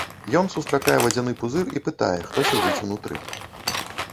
Ён сустракае вадзяны пузыр і пытае, хто сядзіць унутры.